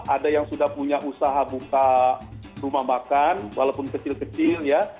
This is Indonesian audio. ada yang sudah punya usaha buka rumah makan walaupun kecil kecil ya